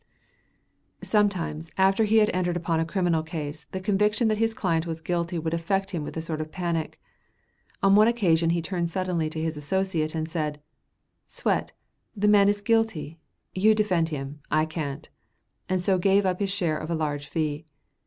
Sometimes, after he had entered upon a criminal case, the conviction that his client was guilty would affect him with a sort of panic. On one occasion he turned suddenly to his associate and said: "Swett, the man is guilty; you defend him, I can't," and so gave up his share of a large fee.